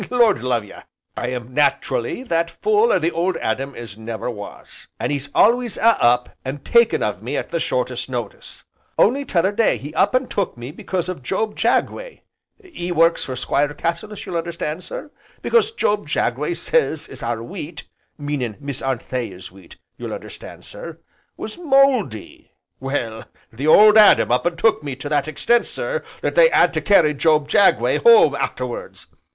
Lord love ye! I am nat'rally that full o' the 'Old Adam' as never was. An' 'e's alway a up an' taking of me at the shortest notice. Only t'other day he up an' took me because Job Jagway ('e works for Squire Cassilis, you'll understand sir) because Job Jagway sez as our wheat, (meanin' Miss Anthea's wheat, you'll understand sir) was mouldy; well, the 'Old Adam' up an' took me to that extent, sir, that they 'ad to carry Job Jagway home, arterwards.